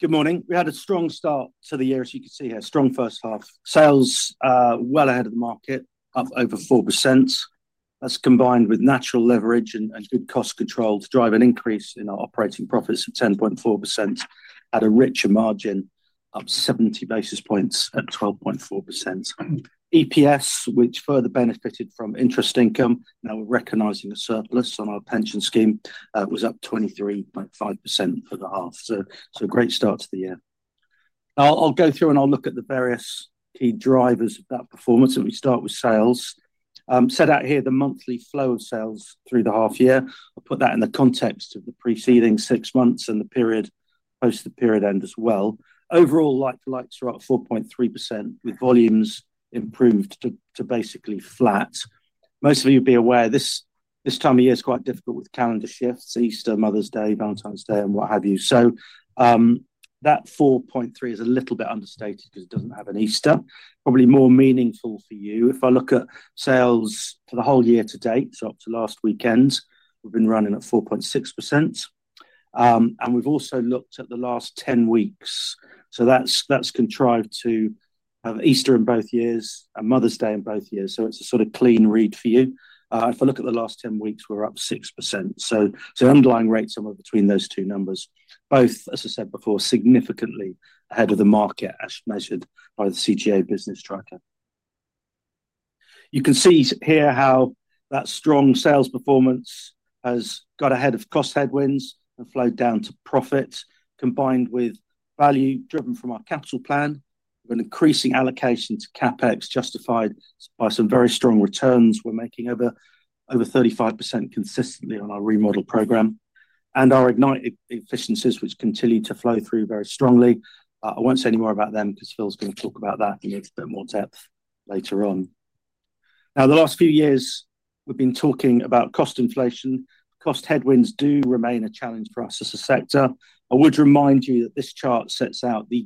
Good morning. We had a strong start to the year, as you can see here. Strong first-half. Sales, well ahead of the market, up over 4%. That is combined with natural leverage and good cost control to drive an increase in our operating profits of 10.4% at a richer margin, up 70 basis points at 12.4%. EPS, which further benefited from interest income, now we are recognizing a surplus on our pension scheme, was up 23.5% for the half. Great start to the year. I will go through and look at the various key drivers of that performance, and we start with sales. Set out here is the monthly flow of sales through the half year. I will put that in the context of the preceding six months and the period post the period end as well. Overall, like-for-likes are at 4.3%, with volumes improved to basically flat. Most of you would be aware this time of year is quite difficult with calendar shifts: Easter, Mother's Day, Valentine's Day, and what have you. So, that 4.3% is a little bit understated 'cause it doesn't have an Easter. Probably more meaningful for you. If I look at sales for the whole year-to-date, so up to last weekend, we've been running at 4.6%. We've also looked at the last 10 weeks. That's contrived to have Easter in both years and Mother's Day in both years. It's a sort of clean read for you. If I look at the last 10 weeks, we're up 6%. So underlying rates somewhere between those two numbers, both, as I said before, significantly ahead of the market as measured by the CGA business tracker. You can see here how that strong sales performance has got ahead of cost headwinds and flowed down to profits, combined with value driven from our capital plan, an increasing allocation to CapEx justified by some very strong returns. We're making over 35% consistently on our remodel program and our Ignite efficiencies, which continue to flow through very strongly. I won't say any more about them 'cause Phil Urban gonna talk about that in a bit more depth later on. Now, the last few years we've been talking about cost inflation. Cost headwinds do remain a challenge for us as a sector. I would remind you that this chart sets out the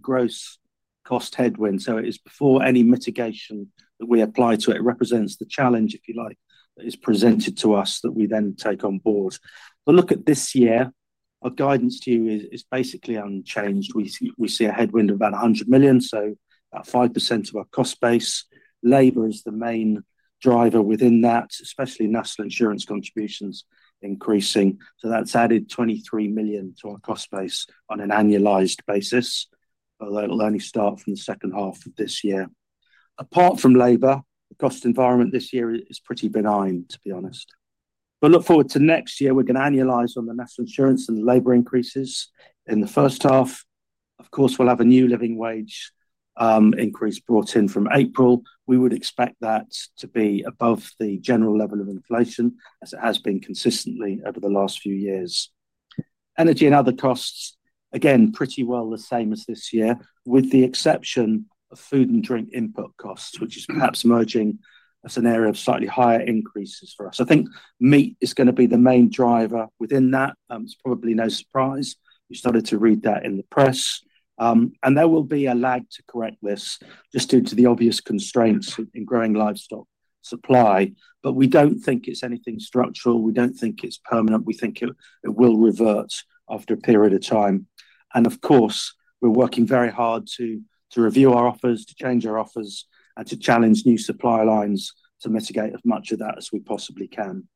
gross cost headwind. So it is before any mitigation that we apply to it. It represents the challenge, if you like, that is presented to us that we then take on board. But look at this year. Our guidance to you is basically unchanged. We see a head-wind of about 100 million, so about 5% of our cost base. Labor is the main driver within that, especially national insurance contributions increasing. That has added 23 million to our cost base on an annualized basis, although it will only start from the second-half of this year. Apart from labor, the cost environment this year is pretty benign, to be honest. Looking forward to next year, we are going to annualize on the national insurance and labor increases in the first half. Of course, we will have a new living wage increase brought in from April. We would expect that to be above the general level of inflation, as it has been consistently over the last few years. Energy and other costs, again, pretty well the same as this year, with the exception of food and drink input costs, which is perhaps emerging as an area of slightly higher increases for us. I think meat is gonna be the main driver within that. It's probably no surprise. We started to read that in the press, and there will be a lag to correct this just due to the obvious constraints in growing livestock supply. We do not think it's anything structural. We do not think it's permanent. We think it will revert after a period of time. Of course, we are working very hard to review our offers, to change our offers, and to challenge new supply lines to mitigate as much of that as we possibly can.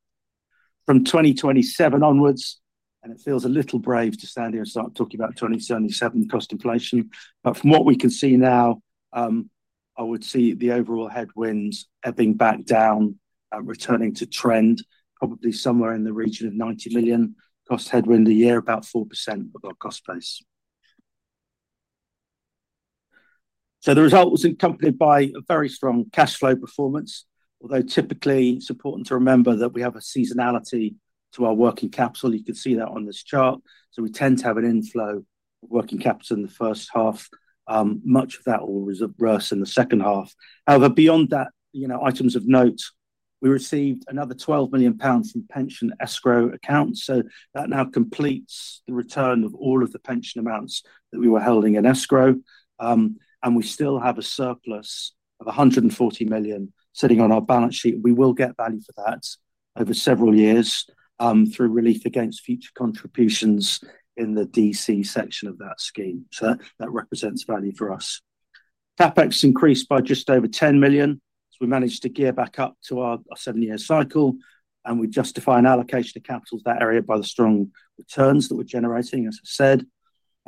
From 2027 onwards, and it feels a little brave to stand here and start talking about 2027 cost inflation. But from what we can see now, I would see the overall head-winds ebbing back down, returning to trend, probably somewhere in the region of 90 million cost headwind a year, about 4% of our cost base. The result was accompanied by a very strong cash flow performance, although it is important to remember that we have a seasonality to our working capital. You can see that on this chart. We tend to have an inflow of working capital in the first half. Much of that will reverse in the second half. However, beyond that, you know, items of note, we received another 12 million pounds from pension escrow accounts. That now completes the return of all of the pension amounts that we were holding in escrow. and we still have a surplus of 140 million sitting on our balance sheet. We will get value for that over several years, through relief against future contributions in the DC section of that scheme. That represents value for us. CapEx increased by just over 10 million. We managed to gear back up to our seven-year cycle, and we justify an allocation of capital to that area by the strong returns that we're generating, as I said.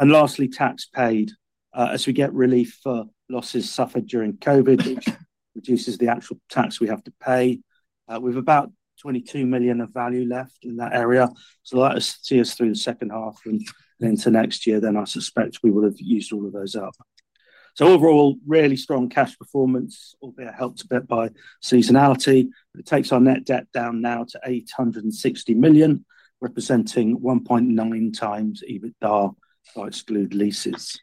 Lastly, tax paid, as we get relief for losses suffered during COVID, which reduces the actual tax we have to pay. We have about 22 million of value left in that area. That will see us through the second half and into next year, then I suspect we will have used all of those up. Overall, really strong cash performance, albeit helped a bit by seasonality. It takes our net debt down now to 860 million, representing 1.9x EBITDA by excluded leases.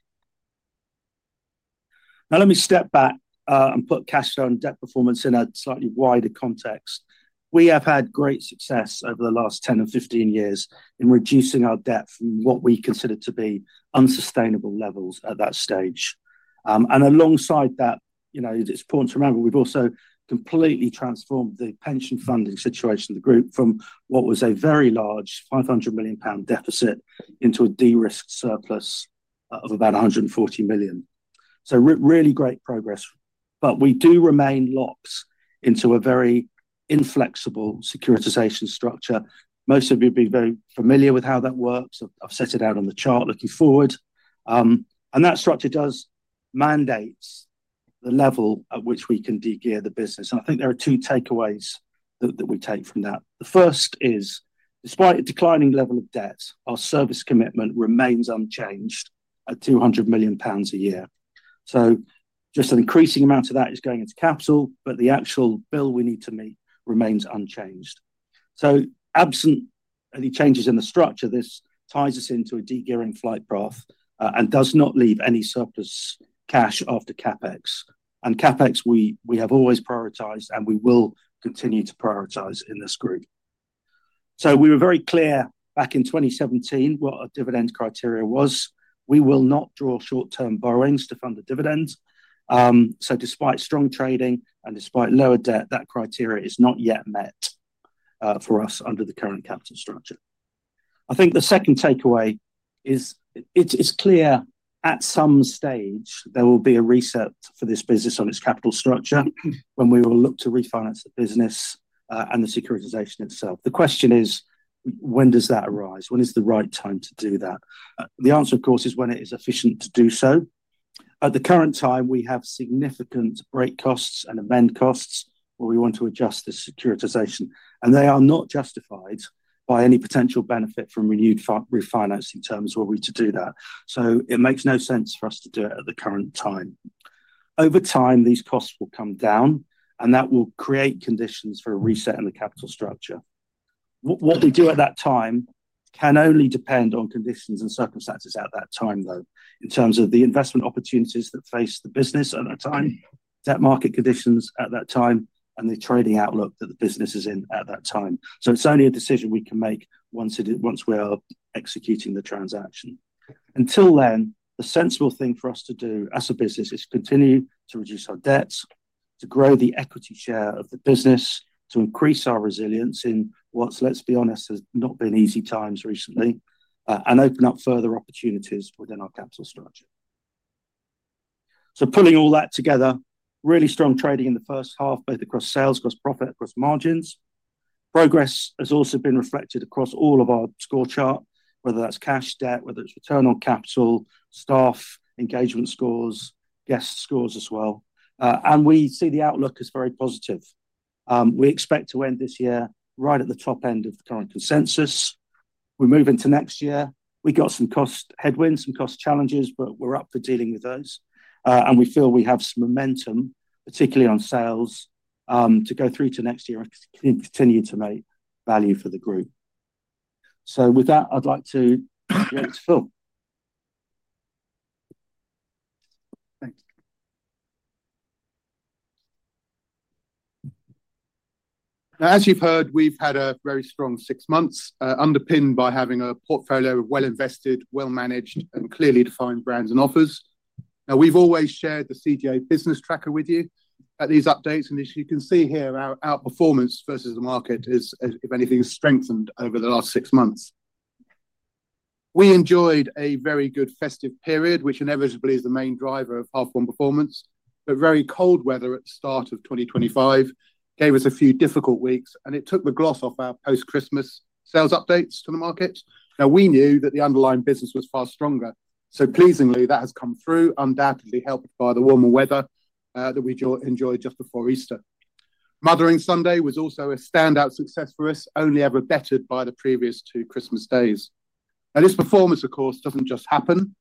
Now, let me step back and put cash flow and debt performance in a slightly wider context. We have had great success over the last 10 years or 15 years in reducing our debt from what we consider to be unsustainable levels at that stage. and alongside that, you know, it's important to remember we've also completely transformed the pension funding situation of the group from what was a very large 500 million pound deficit into a de-risked surplus of about 140 million. So really great progress. We do remain locked into a very inflexible securitization structure. Most of you would be very familiar with how that works. I've set it out on the chart looking forward. and that structure does mandate the level at which we can de-gear the business. I think there are two takeaways that we take from that. The first is, despite a declining level of debt, our service commitment remains unchanged at 200 million pounds a year. Just an increasing amount of that is going into capital, but the actual bill we need to meet remains unchanged. Absent any changes in the structure, this ties us into a de-gearing flight path, and does not leave any surplus cash after CapEx. CapEx, we have always prioritized and we will continue to prioritize in this group. We were very clear back in 2017 what our dividend criteria was. We will not draw short-term borrowings to fund the dividend. Despite strong trading and despite lower debt, that criteria is not yet met, for us under the current capital structure. I think the second takeaway is it's clear at some stage there will be a reset for this business on its capital structure when we will look to refinance the business, and the securitization itself. The question is, when does that arise? When is the right time to do that? The answer, of course, is when it is efficient to do so. At the current time, we have significant break costs and amend costs where we want to adjust the securitization, and they are not justified by any potential benefit from renewed refinancing terms were we to do that. It makes no sense for us to do it at the current time. Over time, these costs will come down, and that will create conditions for a reset in the capital structure. What we do at that time can only depend on conditions and circumstances at that time, though, in terms of the investment opportunities that face the business at that time, debt market conditions at that time, and the trading outlook that the business is in at that time. It is only a decision we can make once we are executing the transaction. Until then, the sensible thing for us to do as a business is continue to reduce our debt, to grow the equity share of the business, to increase our resilience in what, let's be honest, has not been easy times recently, and open up further opportunities within our capital structure. Pulling all that together, really strong trading in the first half, both across sales, across profit, across margins. Progress has also been reflected across all of our score chart, whether that's cash debt, whether it's return on capital, staff engagement scores, guest scores as well. We see the outlook as very positive. We expect to end this year right at the top end of the current consensus. We move into next year. We got some cost headwinds, some cost challenges, but we're up for dealing with those. We feel we have some momentum, particularly on sales, to go through to next year and continue to make value for the group. With that, I'd like to give it to Phil Urban. Thanks. Now, as you've heard, we've had a very strong six months, underpinned by having a portfolio of well-invested, well-managed, and clearly defined brands and offers. We've always shared the CGA business tracker with you at these updates. As you can see here, our performance versus the market is, if anything, strengthened over the last six months. We enjoyed a very good festive period, which inevitably is the main driver of half-on performance. Very cold weather at the start of 2025 gave us a few difficult weeks, and it took the gloss off our post-Christmas sales updates to the market. We knew that the underlying business was far stronger. Pleasingly, that has come through, undoubtedly helped by the warmer weather that we enjoyed just before Easter. Mothering Sunday was also a standout success for us, only ever bettered by the previous two Christmas days. Now, this performance, of course, doesn't just happen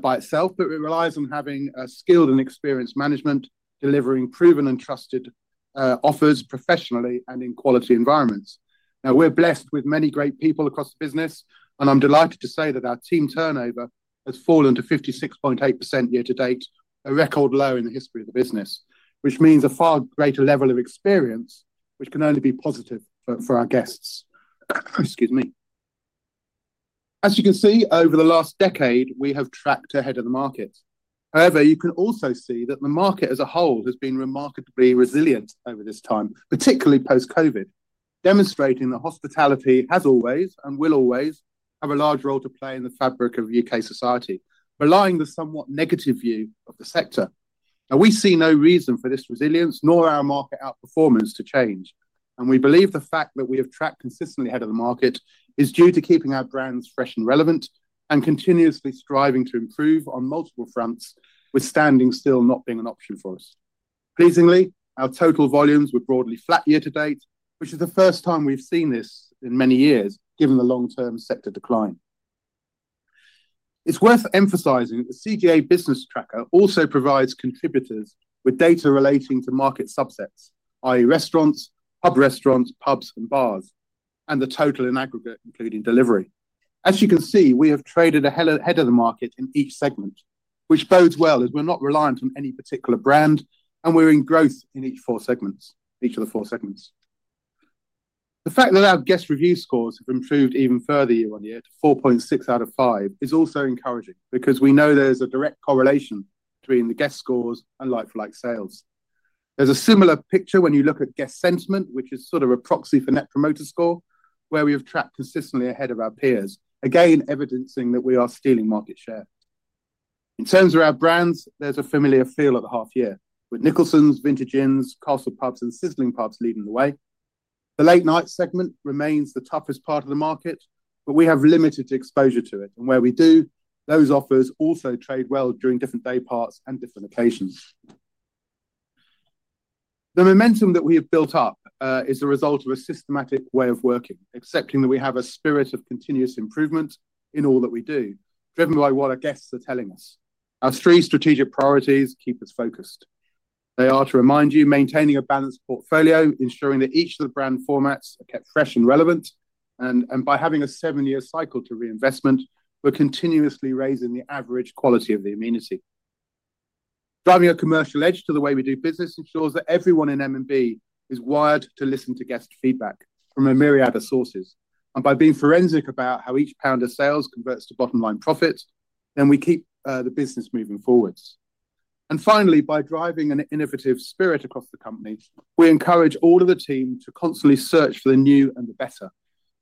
by itself, but it relies on having a skilled and experienced management delivering proven and trusted offers professionally and in quality environments. Now, we're blessed with many great people across the business, and I'm delighted to say that our team turnover has fallen to 56.8% year-to-date, a record low in the history of the business, which means a far greater level of experience, which can only be positive for our guests. Excuse me. As you can see, over the last decade, we have tracked ahead of the market. However, you can also see that the market as a whole has been remarkably resilient over this time, particularly post-COVID, demonstrating that hospitality has always and will always have a large role to play in the fabric of U.K. society, relying on the somewhat negative view of the sector. Now, we see no reason for this resilience nor our market outperformance to change. We believe the fact that we have tracked consistently ahead of the market is due to keeping our brands fresh and relevant and continuously striving to improve on multiple fronts, with standing still not being an option for us. Pleasingly, our total volumes were broadly flat year to date, which is the first time we've seen this in many years, given the long-term sector decline. It's worth emphasizing that the CGA business tracker also provides contributors with data relating to market subsets, i.e., restaurants, pub restaurants, pubs, and bars, and the total in aggregate, including delivery. As you can see, we have traded ahead of the market in each segment, which bodes well as we're not reliant on any particular brand, and we're in growth in each of the four segments. The fact that our guest review scores have improved even further year on year to 4.6 out of five is also encouraging because we know there's a direct correlation between the guest scores and like-for-like sales. There's a similar picture when you look at guest sentiment, which is sort of a proxy for net promoter score, where we have tracked consistently ahead of our peers, again evidencing that we are stealing market share. In terms of our brands, there's a familiar feel of the half year, with Nicholson's, Vintage Inns, Castle Pubs, and Sizzling Pubs leading the way. The late-night segment remains the toughest part of the market, but we have limited exposure to it. Where we do, those offers also trade well during different day parts and different occasions. The momentum that we have built up is the result of a systematic way of working, accepting that we have a spirit of continuous improvement in all that we do, driven by what our guests are telling us. Our three strategic priorities keep us focused. They are, to remind you, maintaining a balanced portfolio, ensuring that each of the brand formats are kept fresh and relevant. By having a seven-year cycle to reinvestment, we're continuously raising the average quality of the amenity. Driving a commercial edge to the way we do business ensures that everyone in M&B is wired to listen to guest feedback from a myriad of sources. By being forensic about how each pound of sales converts to bottom-line profit, we keep the business moving forwards. Finally, by driving an innovative spirit across the company, we encourage all of the team to constantly search for the new and the better,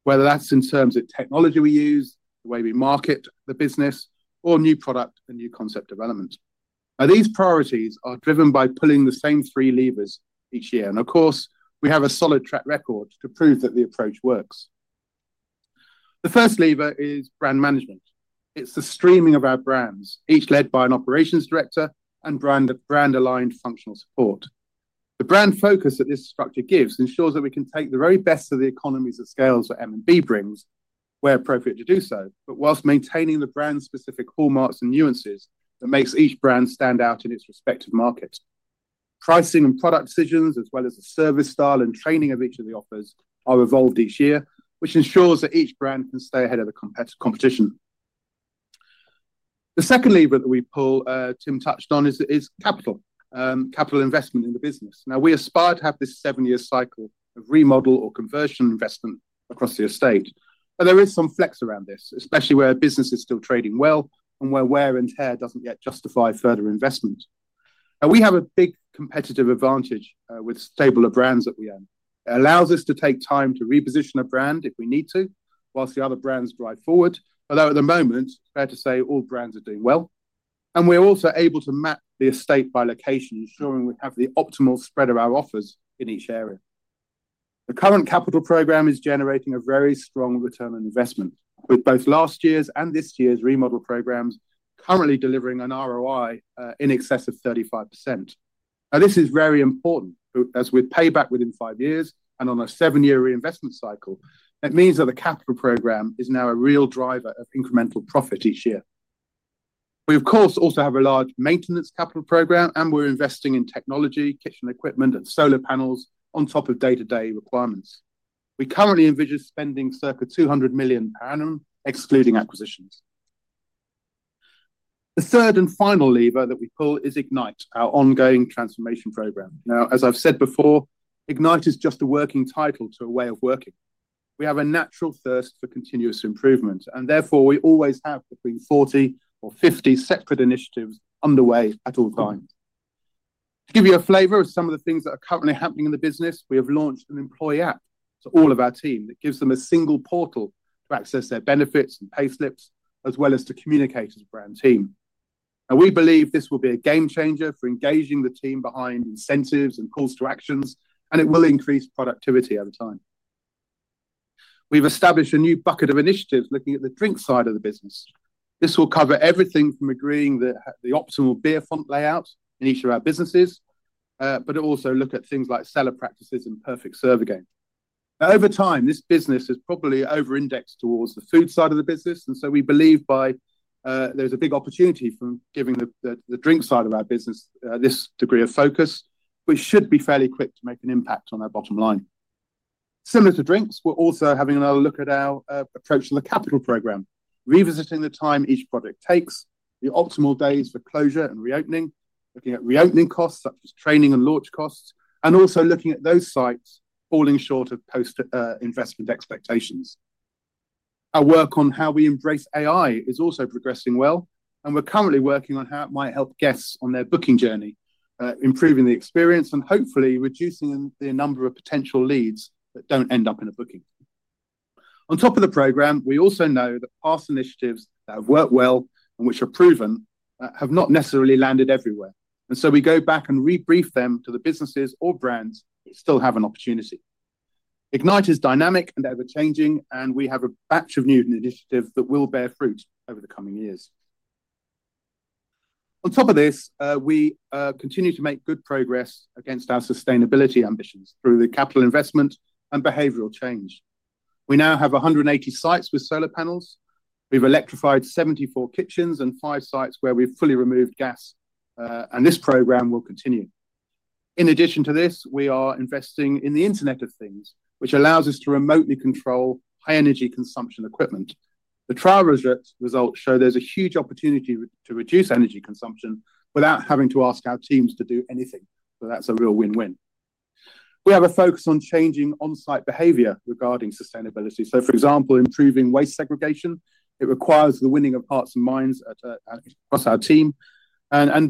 whether that's in terms of technology we use, the way we market the business, or new product and new concept development. These priorities are driven by pulling the same three levers each year. Of course, we have a solid track record to prove that the approach works. The first lever is brand management. It's the streaming of our brands, each led by an operations director and brand-aligned functional support. The brand focus that this structure gives ensures that we can take the very best of the economies of scale that Mitchells & Butlers brings where appropriate to do so, but whilst maintaining the brand-specific hallmarks and nuances that make each brand stand out in its respective market. Pricing and product decisions, as well as the service style and training of each of the offers, are evolved each year, which ensures that each brand can stay ahead of the competition. The second lever that we pull, Tim Jones touched on, is capital investment in the business. Now, we aspire to have this seven-year cycle of remodel or conversion investment across the estate. There is some flex around this, especially where business is still trading well and where wear and tear does not yet justify further investment. Now, we have a big competitive advantage, with stable brands that we own. It allows us to take time to reposition a brand if we need to, whilst the other brands drive forward. Although at the moment, fair to say, all brands are doing well. We are also able to map the estate by location, ensuring we have the optimal spread of our offers in each area. The current capital program is generating a very strong return on investment, with both last year's and this year's remodel programs currently delivering an ROI in excess of 35%. This is very important as with payback within five years and on a seven-year reinvestment cycle. It means that the capital program is now a real driver of incremental profit each year. We, of course, also have a large maintenance capital program, and we are investing in technology, kitchen equipment, and solar panels on top of day-to-day requirements. We currently envision spending 200 million excluding acquisitions. The third and final lever that we pull is Ignite, our ongoing transformation program. As I have said before, Ignite is just a working title to a way of working. We have a natural thirst for continuous improvement, and therefore we always have between 40 or 50 separate initiatives underway at all times. To give you a flavor of some of the things that are currently happening in the business, we have launched an employee app to all of our team that gives them a single portal to access their benefits and payslips, as well as to communicate as a brand team. Now, we believe this will be a game changer for engaging the team behind incentives and calls to actions, and it will increase productivity over time. We've established a new bucket of initiatives looking at the drink side of the business. This will cover everything from agreeing the optimal beer font layout in each of our businesses, but also look at things like cellar practices and perfect serve game. Now, over time, this business is probably over-indexed towards the food side of the business. We believe there is a big opportunity from giving the drink side of our business this degree of focus, which should be fairly quick to make an impact on our bottom line. Similar to drinks, we're also having another look at our approach to the capital program, revisiting the time each product takes, the optimal days for closure and reopening, looking at reopening costs such as training and launch costs, and also looking at those sites falling short of post-investment expectations. Our work on how we embrace AI is also progressing well, and we're currently working on how it might help guests on their booking journey, improving the experience and hopefully reducing the number of potential leads that do not end up in a booking. On top of the program, we also know that past initiatives that have worked well and which are proven, have not necessarily landed everywhere. We go back and rebrief them to the businesses or brands that still have an opportunity. Ignite is dynamic and ever-changing, and we have a batch of new initiatives that will bear fruit over the coming years. On top of this, we continue to make good progress against our sustainability ambitions through the capital investment and behavioral change. We now have 180 sites with solar panels. We've electrified 74 kitchens and five sites where we've fully removed gas, and this program will continue. In addition to this, we are investing in the internet of things, which allows us to remotely control high-energy consumption equipment. The trial results show there's a huge opportunity to reduce energy consumption without having to ask our teams to do anything. That's a real win-win. We have a focus on changing onsite behavior regarding sustainability. For example, improving waste segregation. It requires the winning of hearts and minds across our team.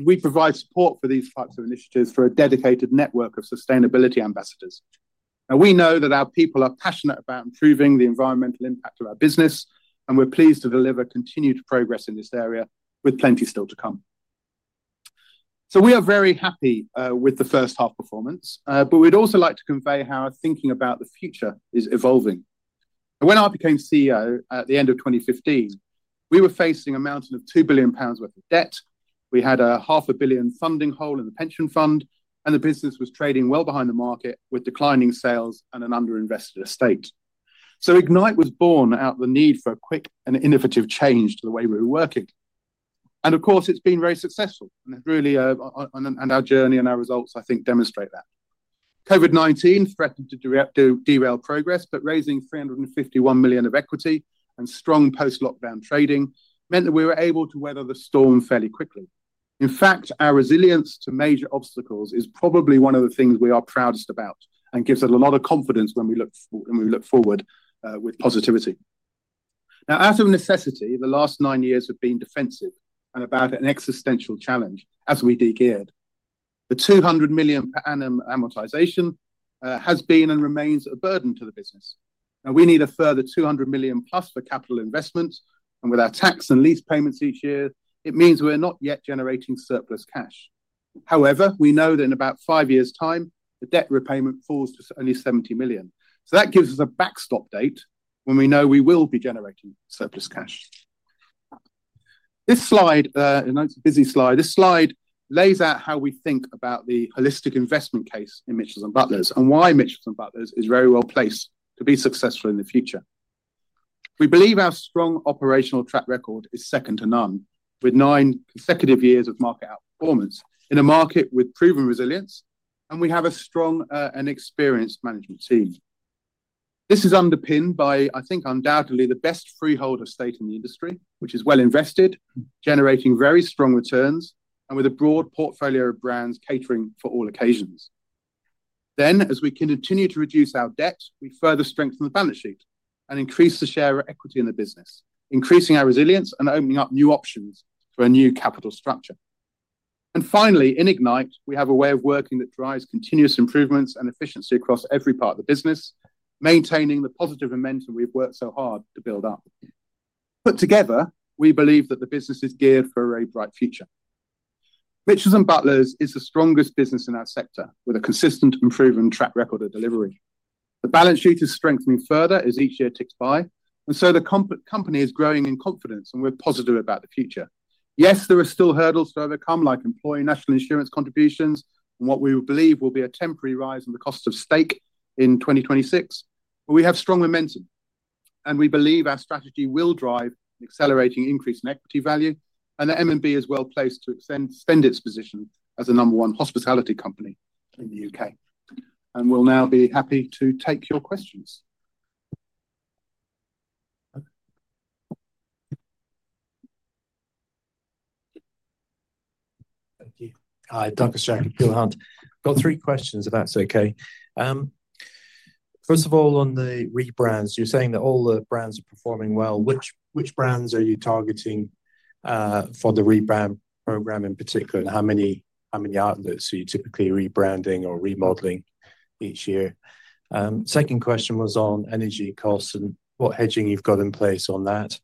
We provide support for these types of initiatives through a dedicated network of sustainability ambassadors. Now, we know that our people are passionate about improving the environmental impact of our business, and we're pleased to deliver continued progress in this area with plenty still to come. We are very happy with the first half performance, but we'd also like to convey how our thinking about the future is evolving. When I became CEO at the end of 2015, we were facing a mountain of 2 billion pounds worth of debt. We had a 500,000,000 funding hole in the pension fund, and the business was trading well behind the market with declining sales and an under-invested estate. Ignite was born out of the need for a quick and innovative change to the way we were working. It has been very successful. Our journey and our results, I think, demonstrate that. COVID-19 threatened to derail progress, but raising 351 million of equity and strong post-lockdown trading meant that we were able to weather the storm fairly quickly. In fact, our resilience to major obstacles is probably one of the things we are proudest about and gives us a lot of confidence when we look forward with positivity. Out of necessity, the last nine years have been defensive and about an existential challenge as we degeared. The 200 million per annum amortization has been and remains a burden to the business. Now, we need a further 200 million plus for capital investment. With our tax and lease payments each year, it means we're not yet generating surplus cash. However, we know that in about five years' time, the debt repayment falls to only 70 million. That gives us a backstop date when we know we will be generating surplus cash. This slide, and it's a busy slide, this slide lays out how we think about the holistic investment case in Mitchells & Butlers and why Mitchells & Butlers is very well placed to be successful in the future. We believe our strong operational track record is second to none, with nine consecutive years of market outperformance in a market with proven resilience, and we have a strong and experienced management team. This is underpinned by, I think, undoubtedly the best freehold estate in the industry, which is well invested, generating very strong returns and with a broad portfolio of brands catering for all occasions. As we continue to reduce our debt, we further strengthen the balance sheet and increase the share of equity in the business, increasing our resilience and opening up new options for a new capital structure. Finally, in Ignite, we have a way of working that drives continuous improvements and efficiency across every part of the business, maintaining the positive momentum we've worked so hard to build up. Put together, we believe that the business is geared for a bright future. Mitchells & Butlers is the strongest business in our sector with a consistent improvement track record of delivery. The balance sheet is strengthening further as each year ticks by, and so the company is growing in confidence, and we're positive about the future. Yes, there are still hurdles to overcome, like employee national insurance contributions and what we believe will be a temporary rise in the cost of steak in 2026, but we have strong momentum, and we believe our strategy will drive an accelerating increase in equity value, and Mitchells & Butlers is well placed to extend, spend its position as the number one hospitality company in the U.K. We will now be happy to take your questions. Thank you. Hi, Douglas Jack, and Peel Hunt. Got three questions if that's okay. First of all, on the rebrands, you're saying that all the brands are performing well. Which, which brands are you targeting, for the rebrand program in particular? How many outlets are you typically rebranding or remodeling each year? The second question was on energy costs and what hedging you have in place on that.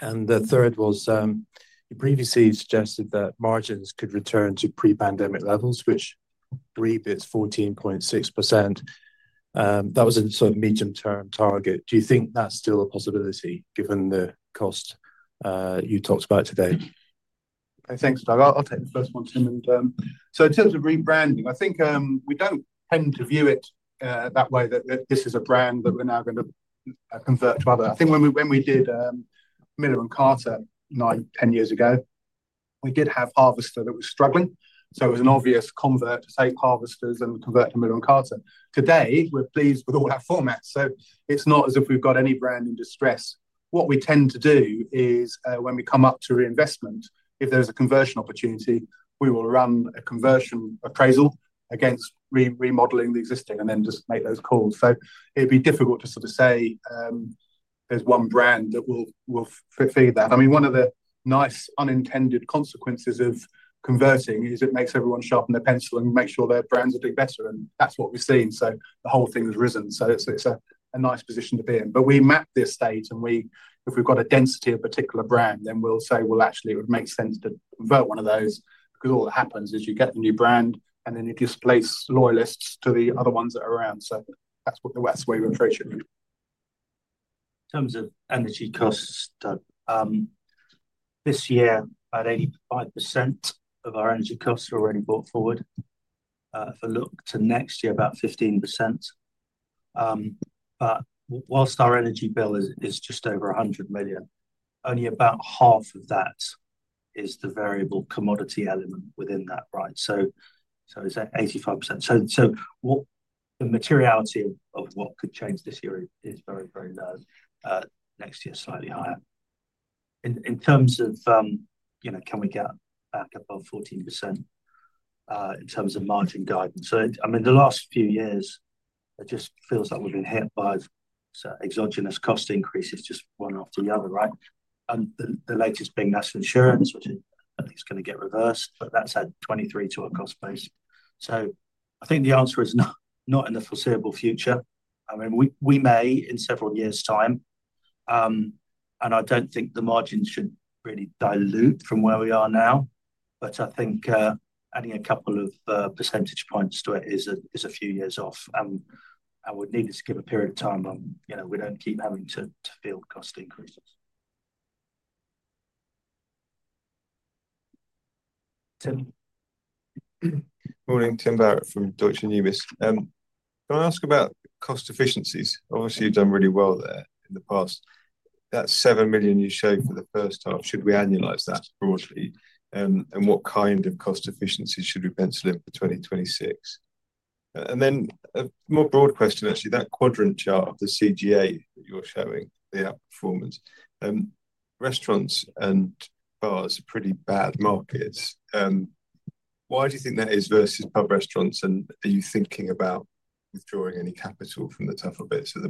The third was, you previously suggested that margins could return to pre-pandemic levels, which rebits 14.6%. That was a sort of medium-term target. Do you think that is still a possibility given the cost you talked about today? Okay, thanks, Douglas Jack. I will take the first one, Tim Jones. In terms of rebranding, I think we do not tend to view it that way, that this is a brand that we are now going to convert to other. I think when we did Miller & Carter nine, 10 years ago, we did have Harvester that was struggling, so it was an obvious convert to take Harvesters and convert to Miller & Carter. Today, we are pleased with all our formats. It is not as if we have got any brand in distress. What we tend to do is, when we come up to reinvestment, if there is a conversion opportunity, we will run a conversion appraisal against remodeling the existing and then just make those calls. It would be difficult to sort of say there is one brand that will feed that. I mean, one of the nice unintended consequences of converting is it makes everyone sharpen their pencil and make sure their brands are doing better. That is what we have seen. The whole thing has risen. It is a nice position to be in. We map the estate, and if we have got a density of a particular brand, then we will say, actually, it would make sense to convert one of those because all that happens is you get the new brand and then you displace loyalists to the other ones that are around. That is where we are appreciative. In terms of energy costs, Douglas Jack, this year, about 85% of our energy costs are already brought forward. If I look to next year, about 15%. Whilst our energy bill is just over 100 million, only about half of that is the variable commodity element within that, right? It is at 85%. The materiality of what could change this year is very, very low. Next year is slightly higher. In terms of, you know, can we get back above 14% in terms of margin guidance? I mean, the last few years, it just feels like we've been hit by exogenous cost increases just one after the other, right? The latest being national insurance, which I think is going to get reversed, but that's had 23% to a cost base. I think the answer is not, not in the foreseeable future. I mean, we may in several years' time, and I don't think the margins should really dilute from where we are now, but I think adding a couple of percentage points to it is a few years off. We'd need to give a period of time on, you know, we don't keep having to feel cost increases. Tim Barret. Morning, Tim Barret from Deutsche Numis. Can I ask about cost efficiencies? Obviously, you've done really well there in the past. That 7 million you showed for the first time, should we annualize that broadly? What kind of cost efficiency should we pencil in for 2026? A more broad question, actually, that quadrant chart of the CGA that you're showing, the outperformance, restaurants and bars are pretty bad markets. Why do you think that is versus pub restaurants? Are you thinking about withdrawing any capital from the tougher bits of the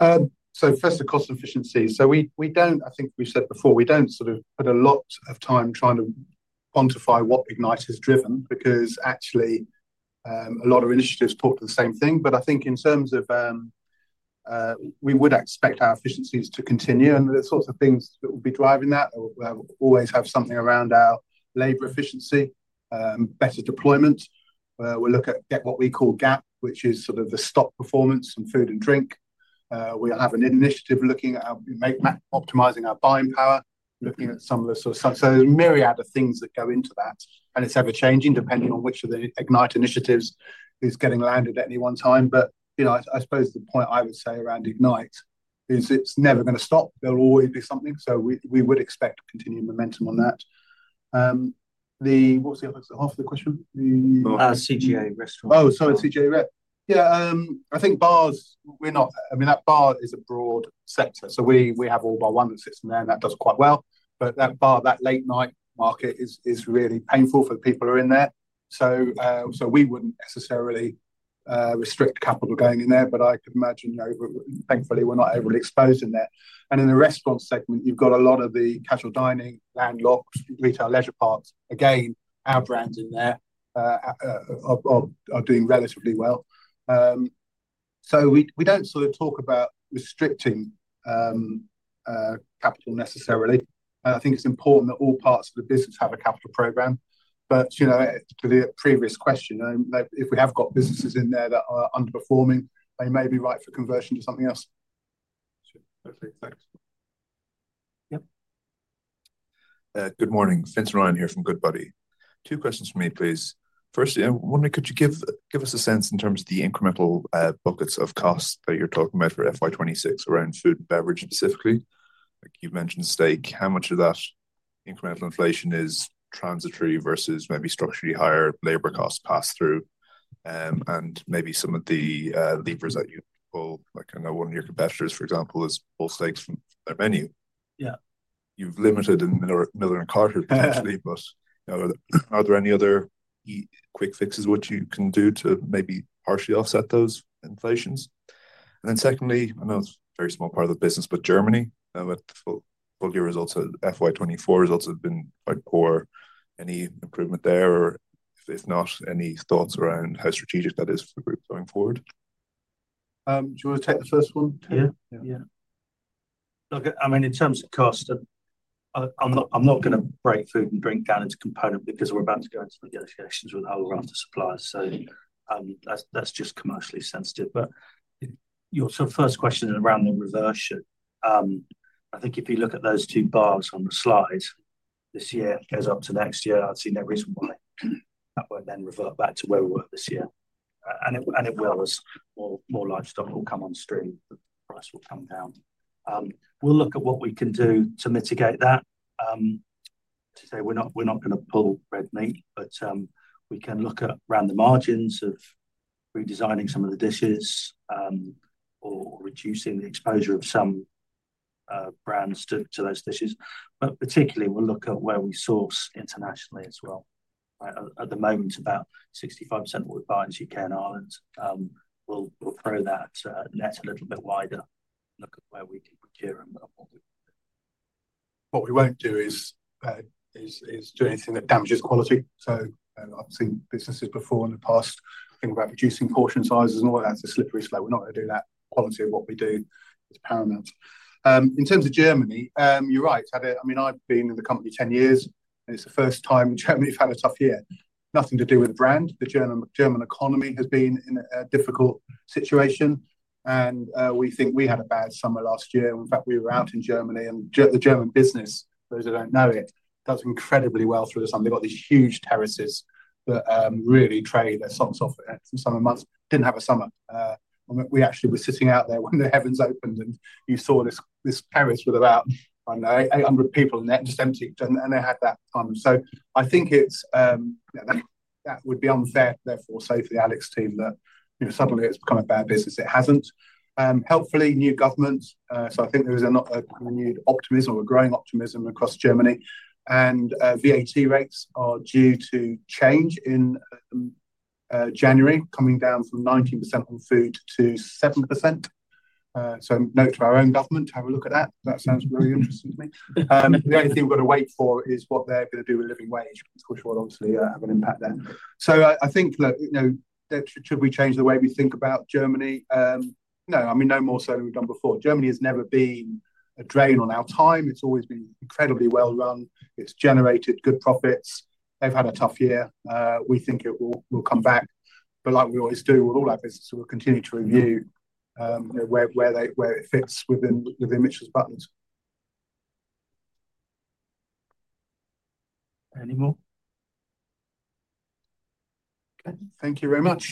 market? First, the cost efficiency. We don't, I think we've said before, we don't sort of put a lot of time trying to quantify what Ignite has driven because actually, a lot of initiatives talk to the same thing. I think in terms of, we would expect our efficiencies to continue and the sorts of things that will be driving that. We'll always have something around our labor efficiency, better deployment. We'll look at what we call GAP, which is sort of the stock performance and food and drink. We'll have an initiative looking at our, we make optimizing our buying power, looking at some of the sort of, so there's a myriad of things that go into that, and it's ever changing depending on which of the Ignite initiatives is getting landed at any one time. You know, I suppose the point I would say around Ignite is it's never going to stop. There'll always be something. We would expect continued momentum on that. What's the other half of the question? The CGA restaurant. Oh, sorry, CGA rep. Yeah. I think bars, we're not, I mean, that bar is a broad sector. We have All Bar One that sits in there, and that does quite well. That bar, that late night market is really painful for the people who are in there. We wouldn't necessarily restrict capital going in there, but I could imagine, you know, thankfully we're not overly exposed in there. In the restaurant segment, you've got a lot of the casual dining, landlocked, retail leisure parks. Again, our brands in there are doing relatively well. We don't sort of talk about restricting capital necessarily. I think it's important that all parts of the business have a capital program. You know, to the previous question, if we have got businesses in there that are underperforming, they may be right for conversion to something else. Perfect. Thanks. Yep. Good morning. Fintan Ryan here from Goodbody. Two questions for me, please. First, I wonder, could you give us a sense in terms of the incremental buckets of costs that you're talking about for FY 2026 around food and beverage specifically? Like you've mentioned steak. How much of that incremental inflation is transitory versus maybe structurally higher labor costs pass through? And maybe some of the levers that you pull, like I know one of your competitors, for example, has pulled steaks from their menu. Yeah. You've limited in Miller & Carter potentially, but you know, are there any other quick fixes what you can do to maybe partially offset those inflations? And then secondly, I know it's a very small part of the business, but Germany, with full year results, FY 2024 results have been quite poor. Any improvement there? Or if not, any thoughts around how strategic that is for the group going forward? Do you want to take the first one, Tim Jones? Yeah. Yeah. Look, I mean, in terms of cost, I'm not going to break food and drink down into component because we're about to go into negotiations with whole after suppliers. That is just commercially sensitive. Your sort of first question around the reversion, I think if you look at those two bars on the slide, this year goes up to next year. I see no reason why that will not then revert back to where we were this year. It will as more livestock will come on stream, the price will come down. We will look at what we can do to mitigate that. to say we're not, we're not going to pull red meat, but we can look at around the margins of redesigning some of the dishes, or reducing the exposure of some brands to those dishes. Particularly, we'll look at where we source internationally as well. Right? At the moment, about 65% of what we buy in U.K. and Ireland. We'll throw that net a little bit wider, look at where we can procure them and what we can do. What we won't do is do anything that damages quality. I've seen businesses before in the past think about reducing portion sizes and all that. It's a slippery slope. We're not going to do that. Quality of what we do is paramount. In terms of Germany, you're right. I mean, I've been in the company 10 years, and it's the first time Germany's had a tough year. Nothing to do with the brand. The German economy has been in a difficult situation. We think we had a bad summer last year. In fact, we were out in Germany, and the German business, for those who don't know it, does incredibly well through the summer. They've got these huge terraces that really trade at some summer months. Didn't have a summer. We actually were sitting out there when the heavens opened, and you saw this terrace with about, I don't know, 800 people in it, just empty. They had that time. I think it would be unfair therefore to say for the Alex team that, you know, suddenly it's become a bad business. It hasn't. Helpfully, new government, so I think there is a renewed optimism or a growing optimism across Germany. VAT rates are due to change in January, coming down from 19% on food to 7%. So note to our own government to have a look at that. That sounds very interesting to me. The only thing we've got to wait for is what they're going to do with living wage, which will obviously have an impact there. I think, look, you know, should we change the way we think about Germany? No, I mean, no more so than we've done before. Germany has never been a drain on our time. It's always been incredibly well run. It's generated good profits. They've had a tough year. We think it will come back. Like we always do with all our business, we'll continue to review, you know, where it fits within Mitchells & Butlers. Any more? Okay. Thank you very much.